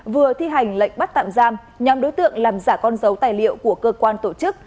vừa thi hành lệnh bắt tạm giam nhóm đối tượng làm giả con dấu tài liệu của cơ quan tổ chức